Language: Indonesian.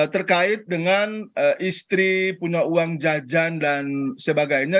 terkait dengan istri punya uang jajan dan sebagainya